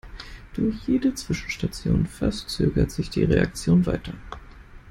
Durch jede Zwischenstation verzögert sich die Reaktion weiter.